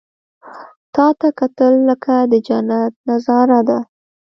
• تا ته کتل، لکه د جنت نظاره ده.